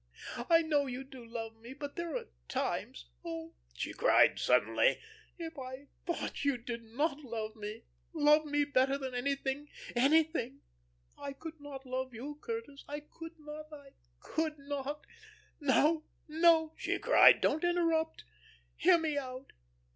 I know you do love me; but there are times Oh," she cried, suddenly "if I thought you did not love me love me better than anything, anything I could not love you; Curtis, I could not, I could not. No, no," she cried, "don't interrupt. Hear me out.